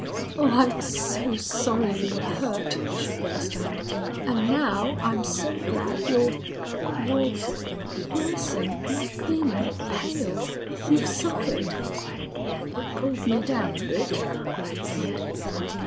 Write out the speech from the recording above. "Oh, I was so sorry you were hurt!" she burst out. "And now I'm so glad you're you're ... Wilson, you're thin and pale you've suffered!" "It pulled me down a bit," he replied.